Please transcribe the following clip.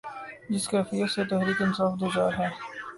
جس کیفیت سے تحریک انصاف دوچار ہے۔